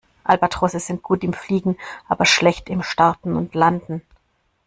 Albatrosse sind gut im Fliegen, aber schlecht im Starten und Landen.